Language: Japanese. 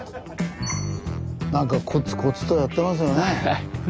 なんかコツコツとやってますよね